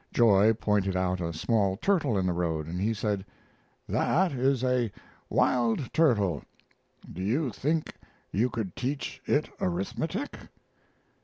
Joy pointed out a small turtle in the road, and he said: "That is a wild turtle. Do you think you could teach it arithmetic?"